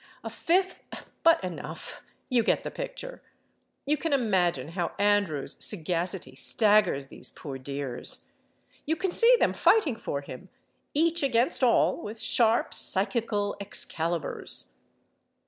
A fifth—but enough! You get the picture. You can imagine how Andrew's sagacity staggers these poor dears. You can see them fighting for him, each against all, with sharp, psychical excaliburs.